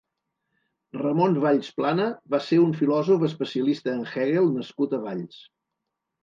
Ramón Valls Plana va ser un filòsof especialista en Hegel nascut a Valls.